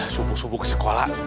subuh subuh ke sekolah